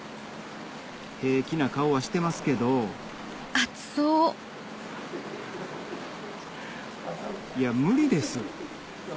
平気な顔はしてますけどいや無理です